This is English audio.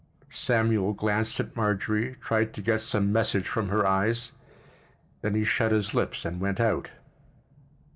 Samuel glanced at Marjorie, tried to get some message from her eyes; then he shut his lips and went out.